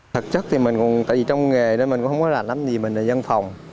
thật chất thì mình cũng tại vì trong nghề nên mình cũng không có làm gì mình là dân phòng